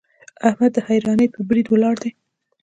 احمد د حيرانۍ پر بريد ولاړ دی.